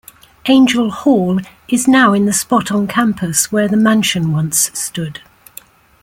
"Angell Hall" is now in the spot on campus where the Mansion once stood.